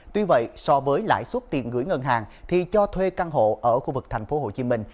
tuy vậy so với lãi suất tiền gửi ngân hàng thì cho thuê căn hộ ở khu vực thành phố hồ chí minh